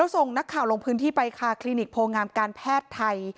ส่งนักข่าวลงพื้นที่ไปค่ะคลินิกโพงามการแพทย์ไทย